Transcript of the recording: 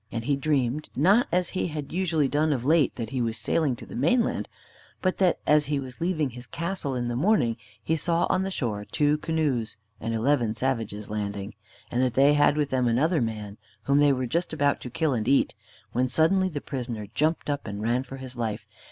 And he dreamed, not as he had usually done of late, that he was sailing to the mainland, but that as he was leaving his castle in the morning he saw on the shore two canoes and eleven savages landing, and that they had with them another man, whom they were just about to kill and eat, when suddenly the prisoner jumped up and ran for his life.